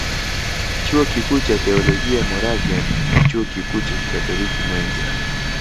Chuo kikuu cha Teolojia Moravian na Chuo kikuu cha kikatoliki Mwenge